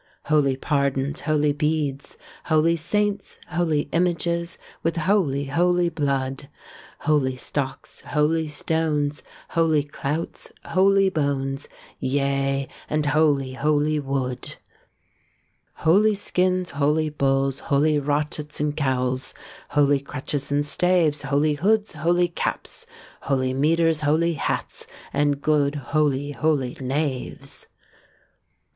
Holy pardons, holy beads, Holy saints, holy images, With holy holy blood. Holy stocks, holy stones, Holy clouts, holy bones, Yea, and holy holy wood. Holy skins, holy bulls, Holy rochets, and cowls, Holy crutches and staves, Holy hoods, holy caps, Holy mitres, holy hats, And good holy holy knaves.